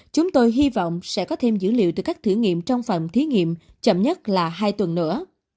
chúng tôi hy vọng sẽ có thêm dữ liệu từ các thử nghiệm trong phòng thí nghiệm chậm nhất là hai tuần nữa